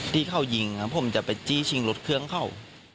ที่เขายิงผมจะไปจี้ชิงรถเครื่องเขา